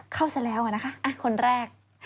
เข้าเสร็จแล้วค่ะคนแรก